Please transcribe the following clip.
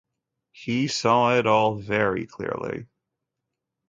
He saw it all very clearly.